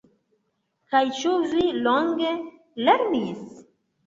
Kaj ĉu vi longe lernis?